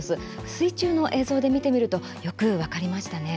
水中の映像で見てみるとよく分かりましたね。